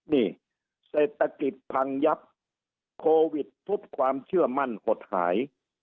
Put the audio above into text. นี่เศรษฐกิจพังยับโควิดทุบความเชื่อมั่นหดหาย